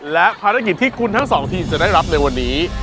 และภารกิจที่คุณทั้งสองทีมจะได้รับในวันนี้